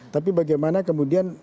tapi bagaimana kemudian